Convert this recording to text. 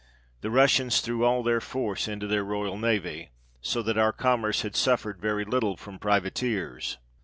The Russians threw all their force into their royal navy, so that our commerce had suffered very little from privateers.